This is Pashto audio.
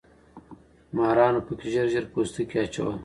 مارانو پکې ژر ژر پوستکي اچول.